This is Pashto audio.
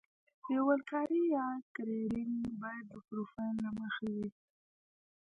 لیول کاري یا ګریډینګ باید د پروفیل له مخې وي